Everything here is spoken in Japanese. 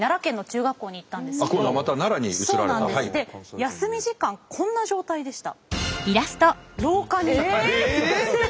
休み時間こんな状態でした。